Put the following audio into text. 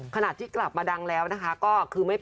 ขณะที่กลับมาดังแล้วนะคะ